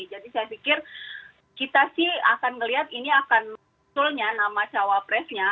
jadi saya pikir kita sih akan melihat ini akan maksudnya nama cawa presnya